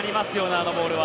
あのボールは。